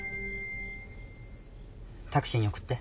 タクシーにおくって。